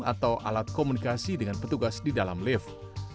atau alat komunikasi dengan petugas di dalam lift